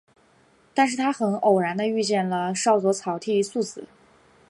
但是他很偶然地遇见了少佐草剃素子。